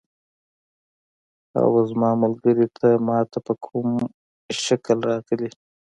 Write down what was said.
اوه زما ملګری، ته ما ته په کوم شکل راغلې؟